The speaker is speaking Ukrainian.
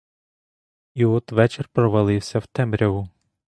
І от вечір провалився в темряву.